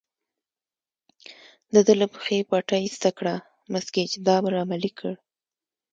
د ده له پښې پټۍ ایسته کړه، مس ګېج دا امر عملي کړ.